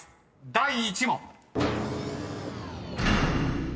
第１問］